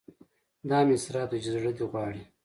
دا هم اسراف دی چې زړه دې غواړي.